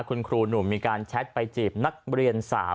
คุณครูหนุ่มมีการแชทไปจีบนักเรียนสาว